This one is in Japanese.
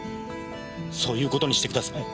そういう事にしてください。